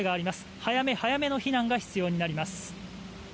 早め早めの非難が必要になります。